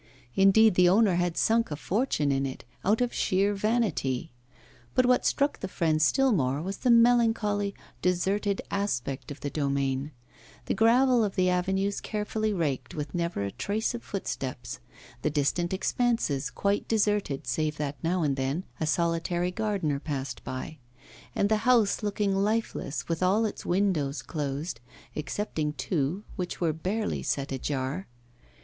Indeed, the owner had sunk a fortune in it, out of sheer vanity. But what struck the friends still more was the melancholy, deserted aspect of the domain; the gravel of the avenues carefully raked, with never a trace of footsteps; the distant expanses quite deserted, save that now and then a solitary gardener passed by; and the house looking lifeless, with all its windows closed, excepting two, which were barely set ajar.